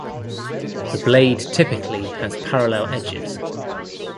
The blade typically has parallel edges.